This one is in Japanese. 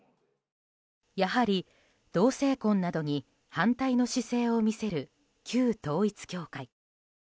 やはり同性婚などに反対の姿勢を見せる旧統一教会。